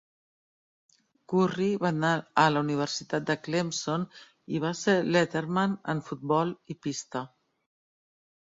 Currie va anar a la universitat de Clemson i va ser letterman en futbol i pista.